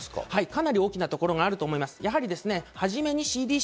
かなり大きなところがあると思います。